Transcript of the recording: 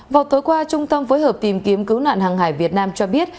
vào tối qua trung tâm phối hợp tìm kiếm cứu nạn hàng hải việt nam cho biết